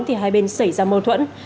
thì hai bên xảy ra mâu thuẫn